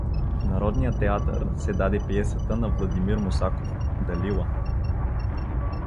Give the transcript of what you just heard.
В Народния театър се даде пиесата на Владимир Мусаков „Далила“.